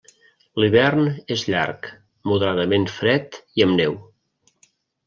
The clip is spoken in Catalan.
L'hivern és llarg, moderadament fred i amb neu.